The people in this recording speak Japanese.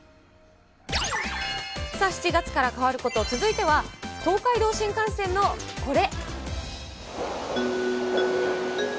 さあ、７月から変わること、続いては東海道新幹線のこれ。